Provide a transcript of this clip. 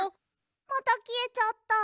またきえちゃった。